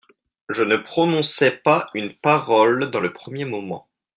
Je ne prononçai pas une parole dans le premier moment.